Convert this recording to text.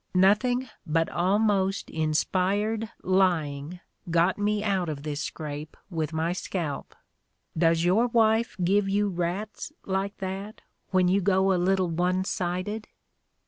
Nothing but almost inspired lying got me out of this scrape with my scalp Does your wife give you rats, like that, when you go a little one sided?"